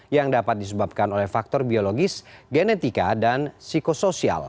yang dapat disebabkan oleh faktor biologis genetika dan psikosoial